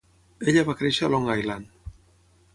Ella va créixer a Long Island.